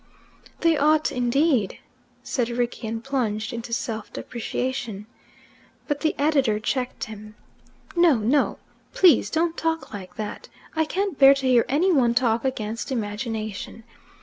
"They ought indeed," said Rickie, and plunged into self depreciation. But the editor checked him. "No no. Please don't talk like that. I can't bear to hear any one talk against imagination.